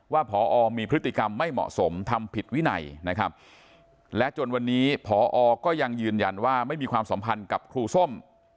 ผอมีพฤติกรรมไม่เหมาะสมทำผิดวินัยนะครับและจนวันนี้พอก็ยังยืนยันว่าไม่มีความสัมพันธ์กับครูส้ม